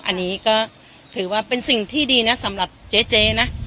อันนี้ก็ถือว่าเป็นสิ่งที่ดีนะสำหรับเจ๊นะ